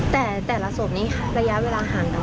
แต่ละสวบนี้ระยะเวลาห่างกันไหม